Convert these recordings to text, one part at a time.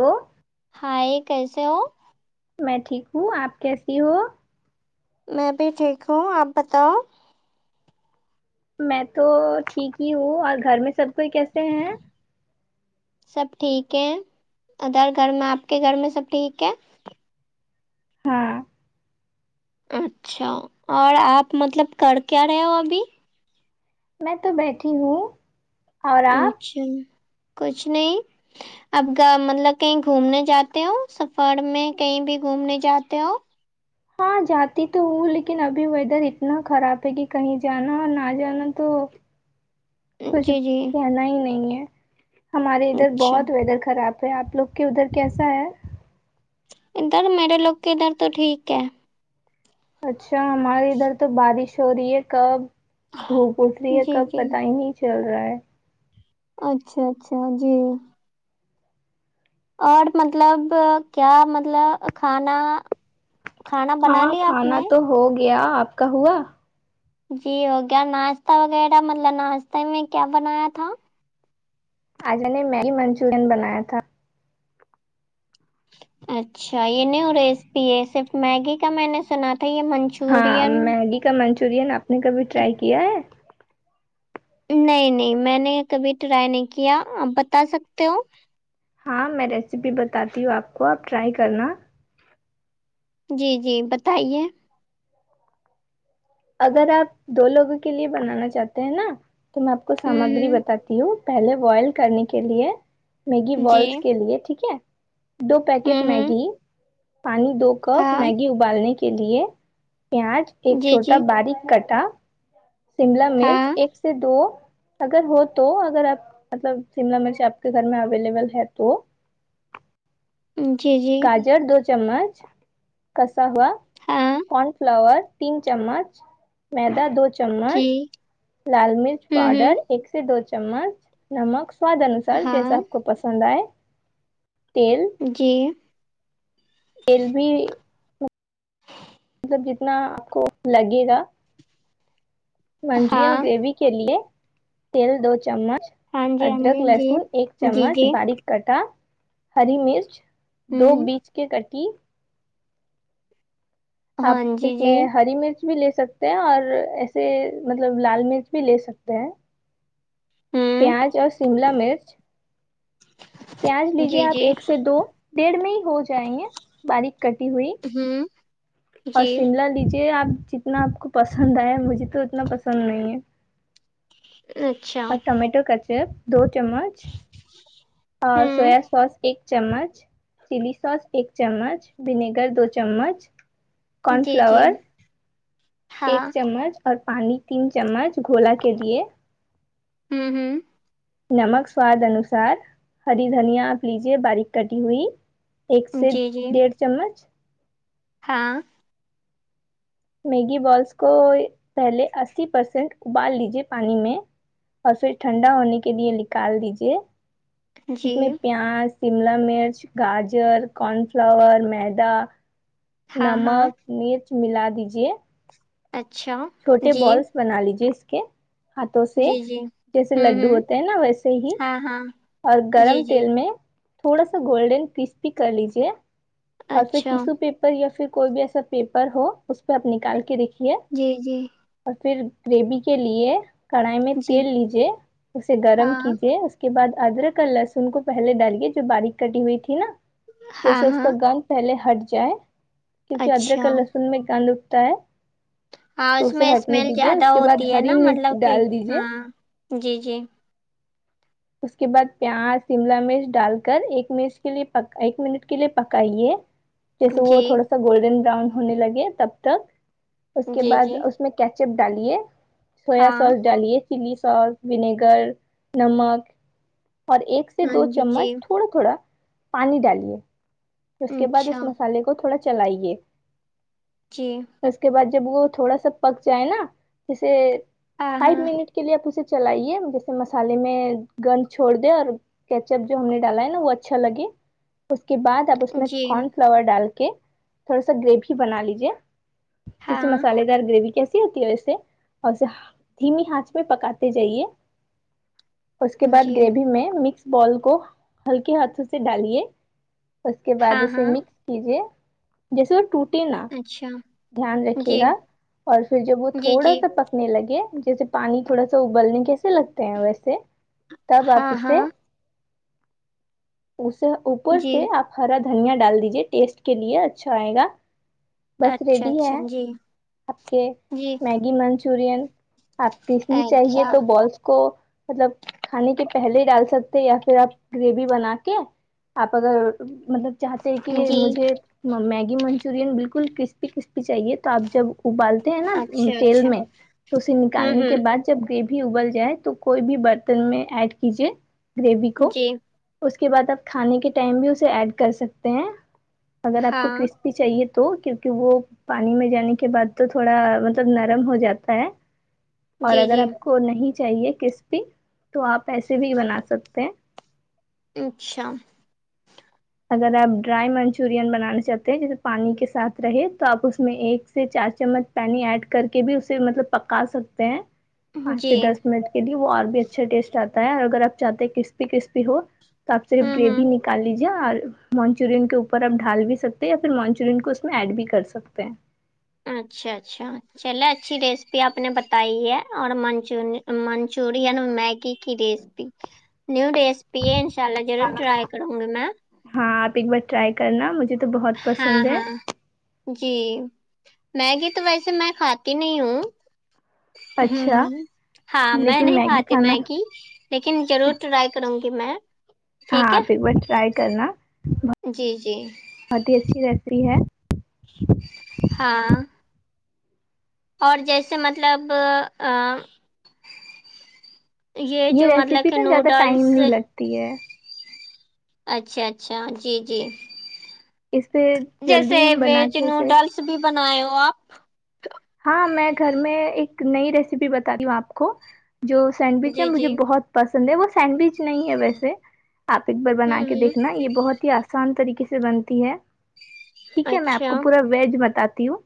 ہ ہائے کیسے ہو میں ٹھیک ہوں آپ کیسی ہو میں بھی ٹھیک ہوں آپ بتاؤ میں تو ٹھیک ہی ہوں اور گھر میں سب کوئی کیسے ہیں سب ٹھیک ہے ادر گھر میں آپ کے گھر میں سب ٹھیک ہے ہاں اچھا اور آپ مطلب کر کیا رہے ہو ابھی میں تو بیٹھی ہوں اور آپ اچھا کچھ نہیں اب مطلب کہیں گھومنے جاتے ہو سفر میں کہیں بھی گھومنے جاتے ہو ہاں جاتی تو ہوں لیکن ابھی ویدر اتنا خراب ہے کہ کہیں جانا اور نہ جانا تو کچھ جی جی کہنا ہی نہیں ہے ہمارے ادھر اچھا بہت ویدر خراب تو آپ لوگ کے ادھر کیسا ہے ادھر میرے لو گ کےادھر تو ٹھیک ہے اچھا ہمارے ادھر تو بارش ہو رہی ہے کب دھوپ اٹھ رہی ہے جی کب جی پتا ہی نہیں چل رہا ہے اچھا اچھا جی اور مطلب کیا مطلب کھانا کھانا بنا ہاں لیا آپ کھانا نے تو ہو گیا آپ کا ہوا جی ہو گیا ناشتہ وغیرہ مطلب ناشتے میں کیا بنایا تھا آج نے میگی منچورین بنایا تھا اچھا یہ نیو ہو ریسپی یہ صرف میگی کا میں نے سنا تھا یہ من ہاں میگی کا منچورین آپ نے کبھی ٹرائی کیا ہے نہیں نہیں میں نے کبھی ٹرائی نہیں کیا آپ بتا سکتے ہو ہاں میں ریسیپی بتاتی ہوں آپ کو آپ ٹرائی کرنا جی جی بتائیے اگر آپ دو لوگوں کے لیے بنانا چاہتے ہیں نا تو میں آپ کو ہوں سامگری ہوں بتات ہو پہلے بوائل کرنے کے لیے میگی جی بالس کے لیے ٹھیک ہے دو پیکٹ ہوں ہوں میگی پانی دو کپ ہاں میگی ابالنے کے لیے پیاز ایک جی چھوٹا جی باریک کٹا شملا مرچ ہاں ایک سے دو اگر ہو تو اگر آپ مطلب شملہ مرچ آپ کے گھر میں اویلیبل ہے تو جی جی گاجر دو چمچ کسا ہوا ہاں کن فلاور تین چمچ میدا دو چمچ جی لال مرچ ہوں پاؤڈر ہوں ایک سے دو چمچ نمک سواد انسار سر ہاں جیسا آپ کو پسند آئے تیل جی ایل بھی مطلب جتنا آپ کو لگے گا ہاں منچورن گریوی کے لیے تیل دو چمچ ہاں جی ہاں ادرک جی لہسن ایک جی جی چمچ جی باریک کٹا ہری مرچ دو ہوں بیج کے کٹی اپ ہاں اس جی میں جی ہری مرچ بھی لے سکتے ہیں اور ایسے مطلب لال مرچ بھی لے سکتے ہیں ہوں پیاز اور سیملا مرچ پیاز لیجے جی اپ جی ایک سے دو ڈیڑ میں ہی ہو جائیں گے باریک کٹی ہوئی ہوں اور جی شملہ لیجیے اپ جتنا اپ کو پسند ائے مجھے تو اتنا پسند نہیں ہے اچھا اور ٹمیٹو کا چپ دو چمچ اور ہوں سویا سوس ایک چمچ چلی سوس ایک چمچ ونیگر دو چمچ کون جی جی فلاور ہاں ایک چمچ اور پانی تین چمچ گھولا کے لیے ہوں ہوں نمک سواد انوسار ہری دھنیا اپ لیجیے باریک کٹی ہوئی ایک سے جی جی ڈیڑھ چمچ ہاں میگی بالس کو پہلے اسی پرسینٹ ابال لیجے پانی میں اور پھر ٹھنڈا ہونے کے لیے نکال دیجیے جی میں پیاز شملہ مرچ گاجر کون فلاور میدا ہاں ہاں نمک مرچ ملا دیجیے اچھا چھوٹے جی بالس بنا لیجیے اس کے ہاتھوں سے جی جی جیسے ہوں لڈو ہوں ہوتے ہیں نا ویسے ہی ہاں ہاں اور جی گرم جی تیل میں تھوڑا سا گولڈن کرسپی کر لیجیے اور پھر اچھا ٹیشو پیپر یا پھر کوئی بھی ایسا پیپر ہو اس پہ اپ نکال کے ریکھیے جی جی اور پھر گریوی کے لیے کڑھائی میں جی تیل لیجیے اسے گرم ہاں کیجیے اس کے بعد ادرک اور لہسن کو پہلے ڈالیے جو باریک کٹی ہوئی تھی نا ہاں جیسے اس ہاں کا گند پہلے ہٹ جائے کیوںکہ اچھا ادرک اور لہسن میں کند اگتا ہے ہاں تو اس اسے میں ہٹنے اسمل دیجیے زیادہ اس کے بعد ہوتی ہے ہری نا مرچ مطلب کی ڈال دیجیے ہاں جی جی اس کے بعد پیاز شملہ مرچ ڈال کر ایک منٹ کے لیے ایک منٹ کے لیے پکائیے جیسے وہ جی تھوڑا سا گولڈن براون ہونے لگے تب تک اس کے جی بعد جی اس اس میں کیچپ ڈالیے سویا ہاں سوس ڈالیے چلی سوس ونیگر نمک اور ایک سے ہاں دو جی جی چمچ تھوڑا تھوڑا پانی ڈالیے پھر اس کے بعد اچھا اس مسالے کو تھوڑا چلائیے جی اس کے بعد جب وہ تھوڑا سا پک جائے نا جیسے ہاں فائ ہاں منٹ کے لیے اپ اسے چلائیے جیسے مسالے میں گند چھوڑ دیں اور کیچپ جو ہم نے ڈالا ہے نا وہ اچھا لگے اس کے بعد اپ اس میں جی کون فلاور ڈال کے تھوڑا سا گریوی بنا لیجیے جسے ہاں مسالے سے گریوی کیسی ہوتی ہے اوسے اور دھیمی ہاتھ پ پکاتے جائیے اس کے بعد جی گریوی میں مکس بال کو ہلکے ہاتھوں سے ڈالیے اس کے بعد ہاں اسے ہاں مکس کیجیے جیسے وہ ٹوٹ نا اچھا دھیان رکھیے جی گا اور پھر جب وہ جی تھوڑا جی سا پکا ت نے لگے جیسے پانی تھوڑا سا ابلنے کیسے لگتے ہیں ویسے تب آپ ہاں اسے ہاں اسے اوپر جی سے آپ ہرا دھنیا ڈال دیجے ٹیسٹ کے لیے اچھا آئے گا بس اچھا ریڈی اچھا ہے جی آپ کے جی میگی منچورین آپ پیسنی اچھا چاہیے تو بالس کو مطلب کھانے کے پہلے ہی ڈال سکتے یا پھر آپ گریوی بنا کے آپ اگر مطلب چاہتے ہیں کہ جی مجھے میگی منچورین بالکل کرسپی کرسپی چاہیے تو آپ جب ابالتے ہیں نا اچھا تیل اچھا میں تو اسے ہوں نکالنے کے ہوں بعد جب گریوی ابل جائے تو کوئی بھی برتن میں ایڈ کیجے گریوی کو جی اس کے بعد آپ کھانے کے ٹائم بھی اسے ایڈ کر سکتے ہیں اگر آپ کو ہاں کرسپ چاہیے تو کیونکہ وہ پانی میں جانے کے بعد تو تھوڑا مطلب نرم ہو جاتا ہے اور جی اگر جی آپ کو نہیں چاہیے کرسپی تو آپ ایسے بھی بنا سکتے ہیں اچھا اگر آپ ڈرائی منچورین بنانا چاہتے ہیں جیسے پانی کے ساتھ رہے تو آپ اس میں ایک سے چار چمچ پانی ایڈ کر کے بھی اسے مطلب پکا سکتے ہیں پانچ سے جی دس منٹ کے لیے وہ اور بھی اچھا ٹیسٹ آتا ہے اور اگر آپ چاہتے ہیں کرسپی کرسپی ہو تو آپ صرف ہوں ہوں گریوی نکال لیجیے یا مانچورین کے اوپر آپ ڈھال بھی سکتے ہیں یا پھر مانچورین کو اس میں ایڈ بھی کر سکتے ہیں اچھا اچھاچھا چلے اچھی ریسپی آپ نے بتائی ہے اور من منچورین میگی کی ریسپی نیو ریسپی ہے انشاء اللہ ضرور ٹرائی کروں گی میں ہاں آپ ایک بار ٹرائی کرنا مجھے تو بہت ہاں پسند ہے ہاں جی میگی تو ویسے میں کھاتی نہیں ہوں ہ اچھا ہاں میں لیکن نہیں میگی کھاتی کھانا میگی لیکن ضرور ٹرائی کروں گی میں ہاں ٹھیک آپ ہے ایک بار ٹرا ئی کرنا جی جی بہت ہی اچھی ریسیپی ہے ہاں اور جیسے مطلب یہ جو مطلب ریسیپی کہ نا زیادہ ٹائم نوڈلس [unintelligible] اچھا اچھا جی جی اس پہ جیسے جلدی ہم بنا کے بیچن اسے ڈال بھی بناائے ہو آپ ہاں میں گھر میں ایک نئی ریسیپی بتا رہی ہوں آپ کو جو سینڈوچ ہے جی مجھے جی بہت پسند ہے وہ سینڈوچ نہیں ہے ویسے آپ ایک بار بنا ہوں کے ہوں دیکھنا یہ بہت ہی آسان آسان طریقے سے بنتی ہے ٹھیک ہے میں آپ کو اچھا پورا ویج بتاتی ہوں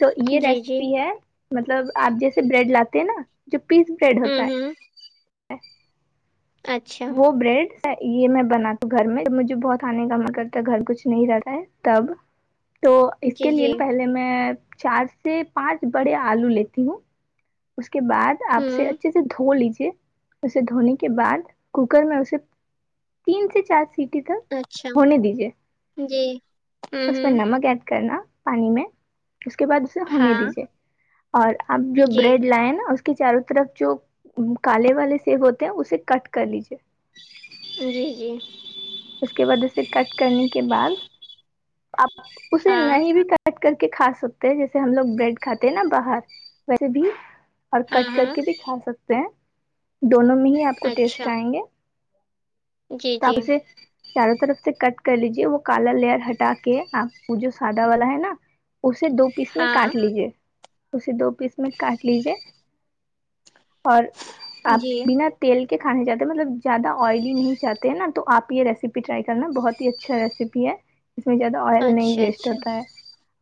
تو یہ جی جی ریسیپی ہے مطلب آپ جیسے بریڈ لاتے ہیں نا جو پیس بریڈ ہوتا ہے ہوں ہوں اچھا وہ بریڈ یہ مت بنا گھر میں مجھے بہت آنے کا من کرتا ہے گھر کچھ نہیں رہتا ہے تب تو اس جی کے لیے جی ن پہلے میں چار سے پانچ بڑے آلو لیتی ہوں اس کے بعد آپ اسے ہوں اچھے سے دھو لیجیے اسے دھونے کے بعد کوکر میں اسے تین سے چار سٹی تک اچھا ہونے دیجیے جی ہوں اس میں ہوں نمک ایڈ کرنا پانی میں اس کے بعد اسے ہونے ہاں دیجیے اور اپ جو جی بریڈ لائے نا اس کے کے چاروں طرف جو کالے والے سیب ہوتے ہیں اسے کٹ کر لیجیے جی جی اس کے بعد اسے کٹ کرنے کے بعد آپ اسے ہاں نہیں بھی کٹ کٹ کر کے کھا سکتے ہیں جیسے ہم لوگ بریڈ کھاتے ہیں نا باہر ویسے بھی اور ہاں کٹ کر ہاں کے بھی کھا سکتے ہیں دونوں میں ہی آپ کو ٹیسٹ اچھا آئیں گے جی تو آپ جی اسے چاروں طرف سے کٹ کر لیجے وہ کالا لیئر ہٹا کے آ وہ جو سادہ والا ہے نا اسے دو پیس میں ہاں کاٹ لیجے اسے دو پیس میں کاٹ لیجیے اور آپ جی بنا تیل کے کھانے جاتے ہیں مطلب زیادہ آئلی نہیں چاہتے ہیں نا تو آپ یہ ریسیپی ٹرائی کرنا بہت ہی اچھا ریسیپی ہے اس میں زیادہ آئل نہیں اچھا ویسٹ اچھا ہوتا ہے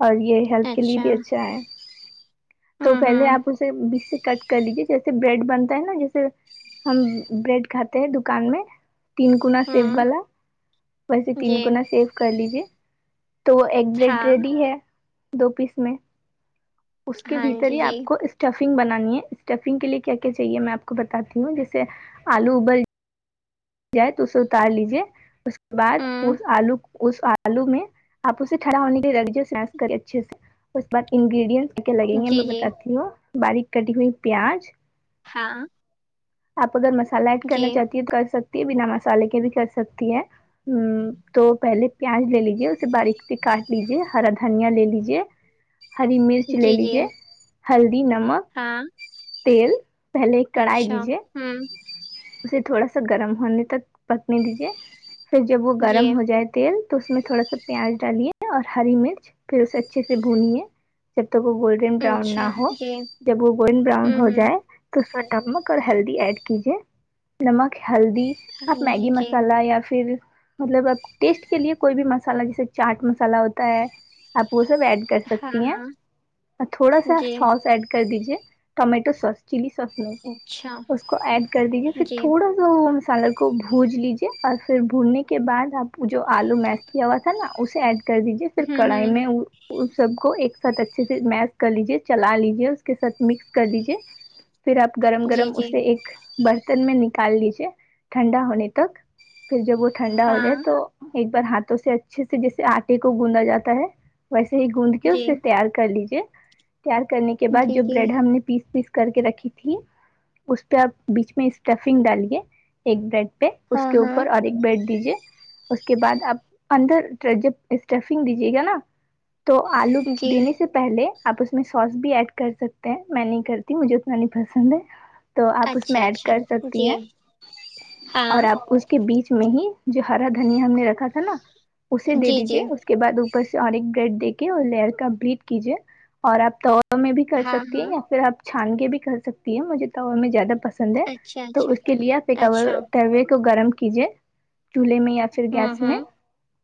اور یہ ہیلتھ کے لیے بھی اچھا ہے تو ہوں پہلے ہوں آپ اسے بیس سے کٹ کر لیجیے جیسے بریڈ بنتا ہے نا جیسے ہم بریڈ کھاتے ہیں دکان میں تین گنا سیف ہوں والا ویسے تین جی گنا سیف کر لیجے تو وہ ایگ بریڈ ہاں ریڈی ہے دو پیس میں اس کے ہاں بھیتر جی ہی جی آپ کو اسٹفنگ بنانی ہے اسٹفنگ کے لیے کیا چاہیے میں آپ کو بتی ہوں جیسے آلو ابل جائے تو اسے اتار لیجے اس کے بعد ہوں اس آلو اس آلو میں آپ اسے ھڑا ہونے کے لگی سس کرے اچھے سے اس بعد انگریڈینٹ کیا لگیں گے جی میں جی بتاتی ہوں باریک کٹی ہوئی پیاز ہاں آپ اگر مسالہ ایڈ جی کرنا چاہتی ہے تو کر سکتی ہے بنا مسالے کے بھی کر سکتی ہیں ہ تو پہلے پیاز لے لیجے اسے باریکی کاٹ لیجے ہرا دھنیا لے لیجے ہری مرچ لے جی جی لیجیے ہلدی نمک ہاں تیل پہلے کڑھائی اچھا لیجے ہوں اسے تھوڑا سا گرم ہونے تک پکنے دیجیے پھر جب وہ جی گرم ہو جائے تیل تو اس میں تھوڑا سا پیاز ڈالیے اور ہری مرچ پھر اسے اچھے سے بھونیے جب تک وہ گولڈ براؤن اچھا نہ ہو جی جب وہ گول براؤن ہوں ہو ہوں جائے تو سر نمک اور ہلدی ایڈ کیجے نمک ہلدی آپ میگی جی جی مسالہ یا پھر مطلب اب ٹیسٹ کے لیے کوئی بھی مسالہ جیسے چاٹ مسالہ ہوتا ہے آپ وہ سب ایڈ کر ہاں سکتی ہیں ہاں اور تھوڑا سا جی سوس ایڈ کر دیجیے ٹمیٹو سوس چلی سوس میں اچھا اس کو ایڈ کر دیجیے پھر جی تھوڑا سا وہ مسالہ کو بھج لیجیے اور پھر بھوننے کے بعد آپ جو آلو میس کیا ہوا تھا نا اسے ایڈ کر دیجے پھر ہوں کڑھائی ہوں میں اس سب کو ایک ساتھ اچھے سے میش کر لیجے چلا لیجے اس کے ساتھ مکس کر لیجے پھر آپ گرم جی گرم جی اسے ایک برتن میں نکال لیجیے ٹھنڈا ہونے تک پھر جب وہ ٹھنڈا ہو ہاں جائے تو ایک بار ہاتھوں سے اچھے سے جیسے آٹے کو گوندا جاتا ہے ویسے ہی گوند کے جی اسے تیار کر لیجے تیار کرنے کے بعد جی جو جی بریڈ ہم نے پیس پیس کر کے رکھی تھی اس پہ آپ بیچ میں اسٹفنگ ڈالیے ایک بریڈ پہ اس ہاں کے ہاں اوپر اور ایک بیڈ دیجیے اس کے بعد آپ اندر جب اسٹفنگ دیجے گا نا تو آلو جی دینے سے سے پہلے آپ اس میں سوس بھی ایڈ کر سکتے ہیں میں نہیں کرتی مجھے اتنا نہیں پسند ہے تو آپ اس میں اچھا ایڈ اچھا کر سکتی جی ہیں ہاں اور آپ اس کے بیچ میں ہی جو ہرا دھنیا ہم نے رکھا تھا نا اسے دے جی دیجے جی اس کے بعد اوپر سے اور ایک گرڈ دیک کے اور لئر کا بلیٹ کیجیے اور آپ تو توا میں بھی کر ہاں سکتی ہیں ہاں یا پھر آپ چھان کے بھی کر سکتی ہیں مجھے تواے میں زیادہ پسند ہے پسند ہے اچھا تو اچھا اس کے لیے آپ اچھا تروے کو گرم کیجیے چولہے میں یا ہوں گیس میں ہوں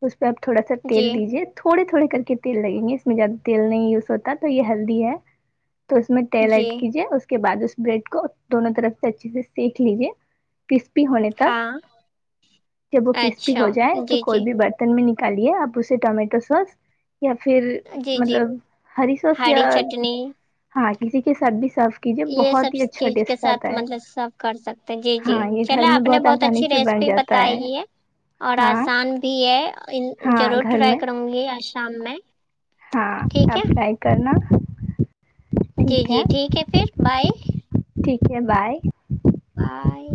اس پہ آپ تھوڑا سا جی تیل دیجیے تھوڑے تھوڑے کر کے تیل لگیں گے اس میں زیادہ تیل نہیں یوز ہوتا تو یہ ہیلدی ہے تو اس میں تیل جی ایڈ کیجیے اس کے بعد اس بریڈ کو دونوں طرف سے اچھے سے سینک لیجے کرسپی ہونے تک ہاں جب وہ کرسپی اچھا ہو جائے تو جی کوئی جی بھی برت ن میں نکالے آپ اسے ٹمیٹو سوس یا فیر جی جی مطلب ہری سوس یا ہاں کسی کے ساتھ بھی سرف یے سب چیز کے ساتھ مطلب سب کر سکتے جی جی ہاں یہ گھر چلے میں آپ نے بہت آسانی اچھی سے بن ریسپی جاتا بتائی ہے اور ہاں آسان بھی ہے ان ہاں ضرور گھر ٹرائی میں کروں گی آ شام میں ہاں ٹھیک اپ ہے ٹرائی کرنا جی جی ٹھیک ہے پھر بائے ٹھیک ہے بائے باے